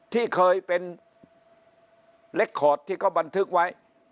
ที่เคยเป็นเล็กคอร์ดที่เขาบันทึกไว้